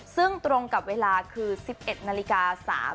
ซึ่งตรงกับเวลาคือ๑๑นาฬิกา๓๐